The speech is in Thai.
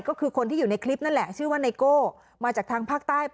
ก็คือคนที่อยู่ในคลิปนั่นแหละชื่อว่าไนโก้มาจากทางภาคใต้